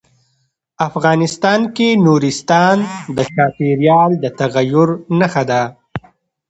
افغانستان کې نورستان د چاپېریال د تغیر نښه ده.